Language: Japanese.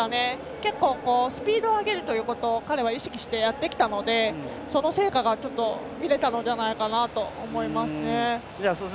結構、スピードを上げるということを彼は意識してやってきたのでその成果が、見れたんじゃないかなと思います。